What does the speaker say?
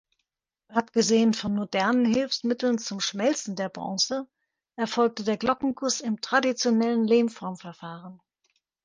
Abgesehen von modernen Hilfsmitteln zum Schmelzen der Bronze erfolgte der Glockenguss im traditionellen Lehmform-Verfahren.